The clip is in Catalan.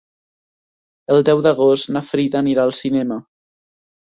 El deu d'agost na Frida anirà al cinema.